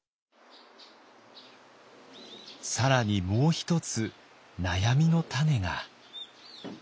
更にもう一つ悩みの種が。